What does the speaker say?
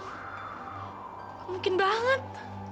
gak mungkin banget